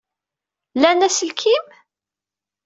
Lan aselkim?